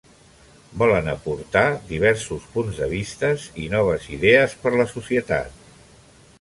Volen aportar diversos punts de vistes i noves idees per la societat.